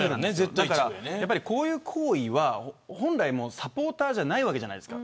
こういう行為は本来サポーターじゃないわけじゃないですか。